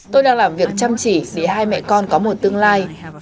tôi đang làm việc chăm chỉ vì hai mẹ con có một tương lai